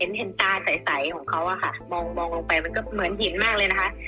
เห็นตาใสของเขาอะค่ะมองลงไปมันก็เหมือนหินมากเลยนะคะ